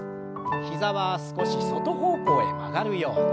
膝は少し外方向へ曲がるように。